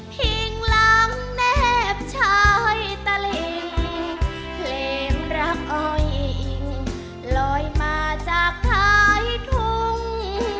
พิงลำแนบชายตะลิงเพลงรักอ้อยอิงลอยมาจากท้ายทุ่ง